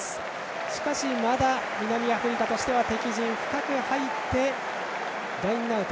しかし、まだ南アフリカとしては敵陣深く入ってラインアウト。